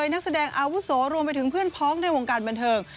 นักแสดงอาวุโสรวมไปถึงเพื่อนพ้องในวงการบันเทิง